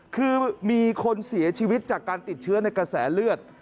คือมีคนเสียชีวิตจากการติดเชื้อในกระแสเลือด